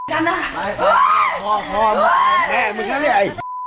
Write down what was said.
แจ๊งก็บอกให้แจ๊ง